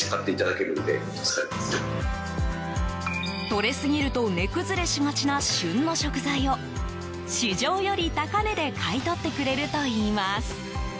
とれすぎると値崩れしがちな旬の食材を市場より高値で買い取ってくれるといいます。